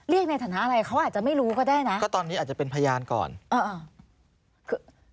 ในฐานะอะไรเขาอาจจะไม่รู้ก็ได้นะก็ตอนนี้อาจจะเป็นพยานก่อนอ่าคือ